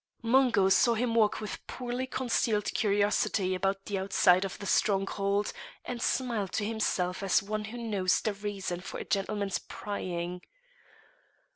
Mungo saw him walk with poorly concealed curiosity about the outside of the stronghold, and smiled to himself as one who knows the reason for a gentleman's prying.